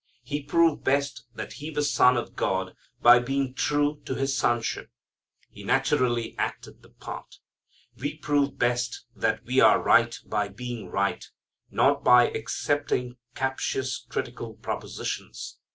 He proved best that He was Son of God by being true to His Sonship. He naturally acted the part. We prove best that we are right by being right, not by accepting captious, critical propositions.